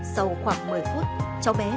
sau khoảng một mươi phút cháu bé tìm